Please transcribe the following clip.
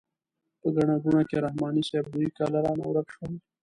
په ګڼه ګوڼه کې رحماني صیب دوی کله رانه ورک شول.